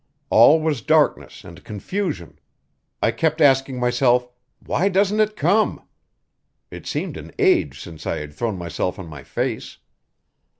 All was darkness and confusion. I kept asking myself: "Why doesn't it come?" It seemed an age since I had thrown myself on my face.